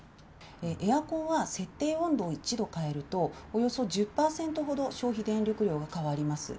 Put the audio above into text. エアコンは設定温度を１度変えると、およそ１０％ほど消費電力量が変わります。